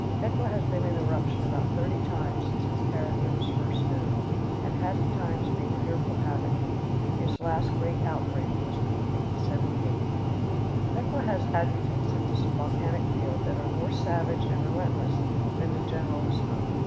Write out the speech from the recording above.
Hecla has been in eruption about thirty times since its character was first known, and has at times made fearful havoc. Its last great outbreak was in 1878. Hecla has adjutants in this volcanic field that are more savage and relentless than the generalissimo.